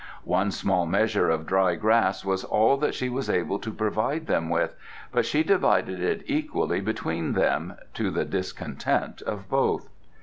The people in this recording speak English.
One small measure of dry grass was all that she was able to provide them with, but she divided it equally between them, to the discontent of both.